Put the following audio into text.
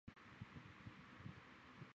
硫氰酸亚铜可以用作防污涂料。